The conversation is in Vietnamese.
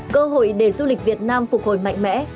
cơ hội để du lịch việt nam phục hồi mạnh mẽ